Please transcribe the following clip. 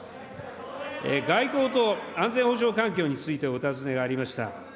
外交と安全保障環境についてお尋ねがありました。